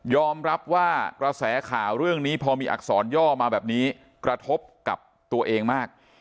รับว่ากระแสข่าวเรื่องนี้พอมีอักษรย่อมาแบบนี้กระทบกับตัวเองมาก